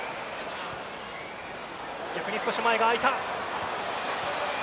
逆に少し前が空いた。